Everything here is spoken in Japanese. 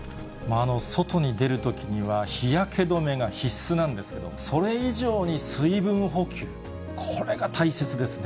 外に出るときには、日焼け止めが必須なんですけど、それ以上に水分補給、これが大切ですね。